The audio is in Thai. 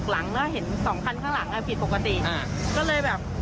ก็เลยแบบลบไปที่ออกอือ